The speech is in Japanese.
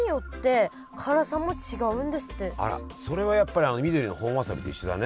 あらそれはやっぱり緑の本わさびと一緒だね。